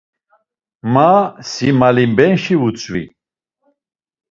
Ma, si malimbenşi vutzvi.